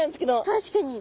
確かに。